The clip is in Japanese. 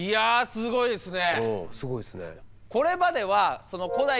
すごいですね。